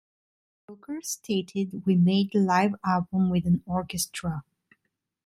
Brooker stated We made the live album with an orchestra.